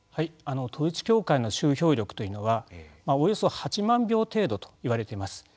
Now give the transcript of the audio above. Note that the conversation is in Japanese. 統一教会の集票力というのはおよそ８万票程度といわれています。